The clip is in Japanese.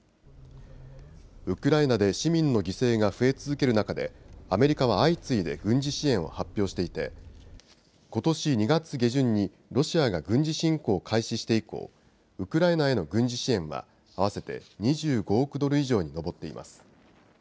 ウクライナで市民の犠牲が増え続ける中でアメリカは相次いで軍事支援を発表していてことし２月下旬にロシアが軍事侵攻を開始して以降、ウクライナへの軍事支援は合わせて２５億ドル以上に上っています。